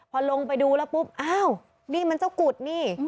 พอลงไปดูแล้วปุ๊บอ้าวนี่มันเจ้ากุดนี่